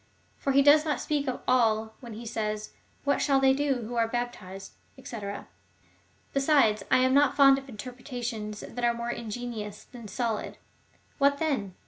For he does not speak of all when he says. What shall they do, who are baptized ? &c. Besides, I am not fond of interpretations, that are more ingenious than solid. What then?